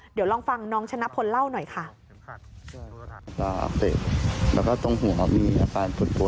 เดี๋ยวลองฟังน้องชนะพลเล่าหน่อยค่ะ